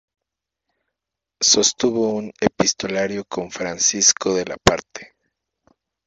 Sostuvo un epistolario con Francisco de la Parte.